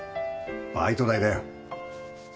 バイト代だよ